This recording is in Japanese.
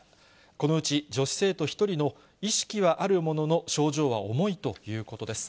このうち女子生徒１人の意識はあるものの、症状は重いということです。